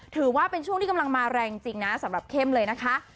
ถือว่าเป็นช่วงที่กำลังมาแรงจริงนะสำหรับเข้มเลยนะคะ